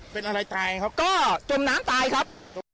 เป็นอะไรตายครับก็จมน้ำตายครับ